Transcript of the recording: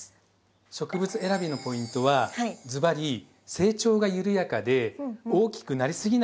植物選びのポイントはずばり成長が緩やかで大きくなりすぎない植物です。